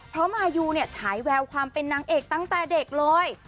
เพราะมายูเนี่ยฉายแววความเป็นนางเอกตั้งแต่เด็กเลย